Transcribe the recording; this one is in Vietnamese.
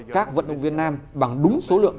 các vận động viên nam bằng đúng số lượng